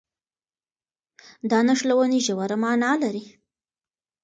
دا نښلونې ژوره مانا لري.